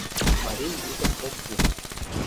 Марий йӱкым ок пу.